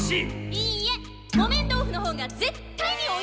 いいえ木綿豆腐のほうがぜったいにおいしい！